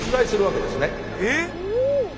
えっ！？